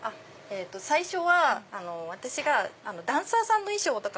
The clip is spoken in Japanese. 最初は私がダンサーさんの衣装とかを。